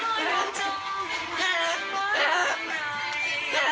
กลับบ้นไหม